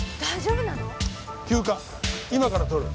休暇今から取る。